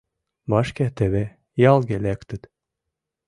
Вашке теве ялге лектыт.